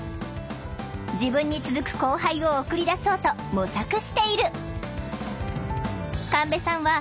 自分に続く後輩を送り出そうと模索している！